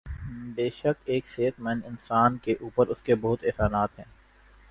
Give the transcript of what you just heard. بیشک ایک صحت مند اانسان کے اوپر اسکے بہت احسانات ہیں